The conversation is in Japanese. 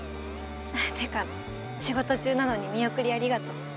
っていうか仕事中なのに見送りありがとう。